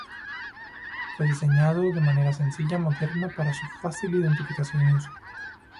Fue diseñado de manera sencilla y moderna para su fácil identificación y uso.